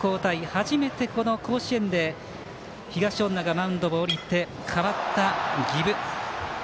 初めて、甲子園で東恩納がマウンドを降りて代わった儀部。